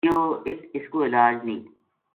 کہیو ات اس کو علاج نیہہ